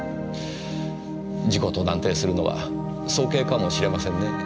事故と断定するのは早計かもしれませんねぇ。